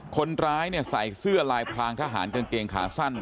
คนร้ายใส่เสื้อลายพรางทหารกางเกงขาสั้น